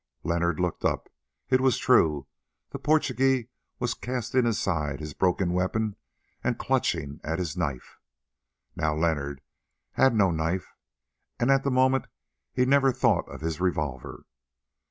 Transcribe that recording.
Leonard looked up. It was true: the Portugee was casting aside his broken weapon and clutching at his knife. Now Leonard had no knife, and at the moment he never thought of his revolver.